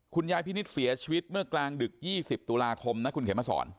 คุณยายพินิษฐ์เสียชีวิตเมื่อกลางดึก๒๐ตุลาคมนะคุณเขมสอน